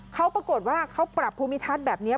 เขาปรากฏว่าเขาปรับภูมิทัศน์แบบนี้